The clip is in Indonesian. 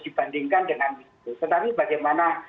dibandingkan dengan itu tetapi bagaimana